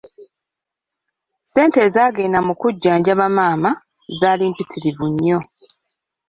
Ssente ezaagenda mu kujjanjaba maama zaali mpitirivu nnyo.